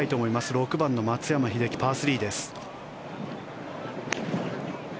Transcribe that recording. ６番の松山英樹、パー３です。